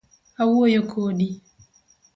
Awuoyo kodi .